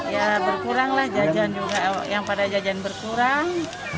ya berkurang lah jajan juga yang pada jajan berkurang